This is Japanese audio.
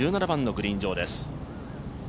１７番のグリーン上です。